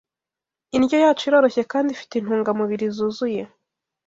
Indyo yacu iroroshye kandi ifite intungamubiri zuzuye